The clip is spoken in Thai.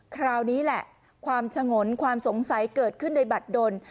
คราวนี้แหละความฉงนความสงสัยเกิดขึ้นในบัตรดน